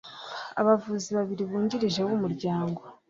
abavugizi babiri bungirije b umuryango